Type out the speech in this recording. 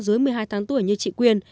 dưới một mươi hai tháng tuổi như chị quyên